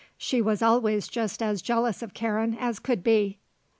"She was always just as jealous of Karen as could be."